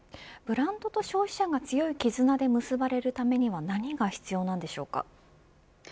ブランドと消費者が強いきずなで結ばれるためには何が必要なんでしょうか。